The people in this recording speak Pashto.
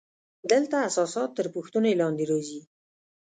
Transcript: دلته اساسات تر پوښتنې لاندې راځي.